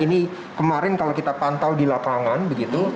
ini kemarin kalau kita pantau di lapangan begitu